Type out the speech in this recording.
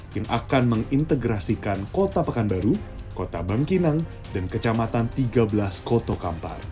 tim akan mengintegrasikan kota pekanbaru kota bangkinang dan kecamatan tiga belas kota kampar